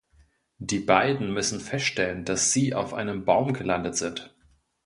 Die beiden müssen feststellen, dass sie auf einem Baum gelandet sind.